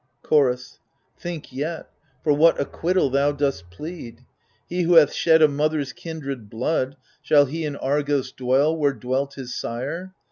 Chorus Think yet, for what acquittal thou dost plead : He who hath shed a mother's kindred blood. Shall he in Argos dwell, where dwelt his sire